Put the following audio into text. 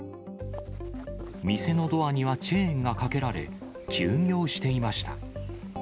店のドアにはチェーンがかけられ、休業していました。